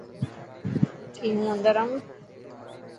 ڪي هون اندر آئون.